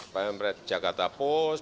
pak emret jakatapos